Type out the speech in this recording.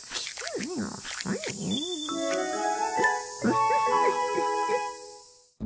ウフフフフ。